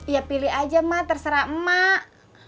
ya pilih aja mak terserah emak